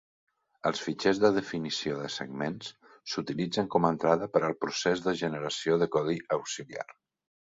Els fitxers de definició de segments s'utilitzen com a entrada per al procés de generació de codi auxiliar.